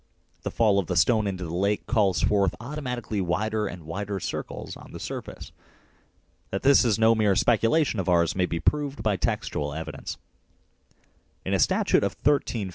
The fall of the stone into the lake calls forth automatically wider and wider circles on the surface. That this is no mere speculation of ours may be proved by textual evidence. In a statute of 1350 (28 Edw.